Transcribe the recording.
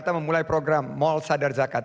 kita memulai program mall sadar zakat